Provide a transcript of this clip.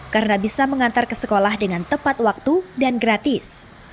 karena bisa mengantar ke sekolah dengan tepat waktu dan gratis